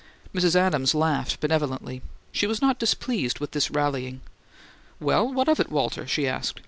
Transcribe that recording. Mrs. Adams laughed benevolently; she was not displeased with this rallying. "Well, what of it, Walter?" she asked.